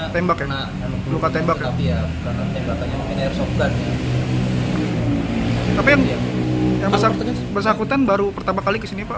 tembaknya tembaknya pakai airsoft gun yang bersambutan baru pertama kali kesini pak